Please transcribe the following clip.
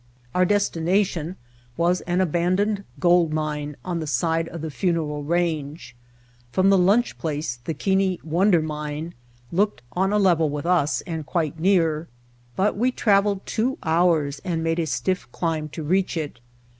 Our destination was an abandoned gold mine on the side of the Funeral Range. From the lunch place the Keane Wonder Mine looked on a level with us and quite near, but we traveled two hours and made a stiflf climb to reach it.